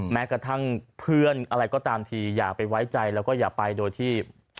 แม้กระทั่งเพื่อนอะไรก็ตามทีอย่าไปไว้ใจแล้วก็อย่าไปโดยที่